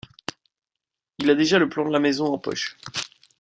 Il a déjà le plan de la maison en poche.